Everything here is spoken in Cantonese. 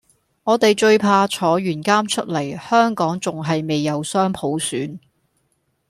我地最怕坐完監出黎香港仲係未有雙普選